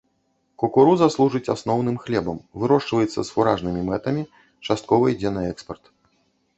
Кукуруза служыць асноўным хлебам, вырошчваецца з фуражнымі мэтамі, часткова ідзе на экспарт.